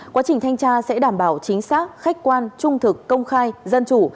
quá trình thanh tra sẽ đảm bảo chính xác khách quan trung thực công khai dân chủ